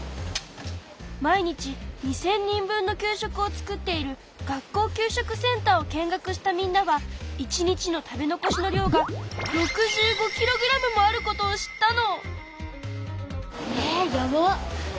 毎日２０００人分の給食を作っている学校給食センターを見学したみんなは１日の食べ残しの量が６５ｋｇもあることを知ったの！